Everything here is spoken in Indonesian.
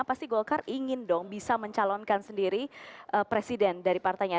pasti golkar ingin dong bisa mencalonkan sendiri presiden dari partainya